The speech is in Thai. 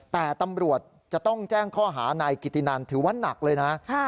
แต่ตำรวจจะต้องแจ้งข้อหานายกิตินันถือว่าหนักเลยนะ